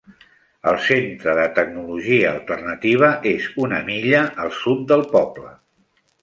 El Centre de Tecnologia Alternativa és una milla al sud del poble.